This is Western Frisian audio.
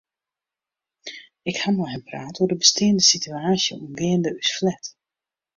Ik ha mei him praat oer de besteande sitewaasje oangeande ús flat.